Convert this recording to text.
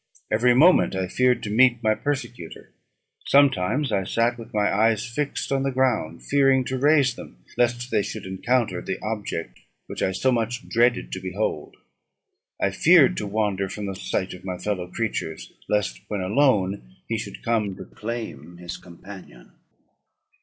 Every moment I feared to meet my persecutor. Sometimes I sat with my eyes fixed on the ground, fearing to raise them, lest they should encounter the object which I so much dreaded to behold. I feared to wander from the sight of my fellow creatures, lest when alone he should come to claim his companion.